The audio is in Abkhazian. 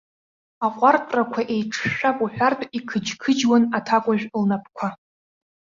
Аҟәартәрақәа еиҿшәшәап уҳәартә иқыџьқыџьуан аҭакәажә лнапқәа.